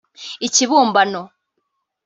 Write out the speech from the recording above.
Ikibumbano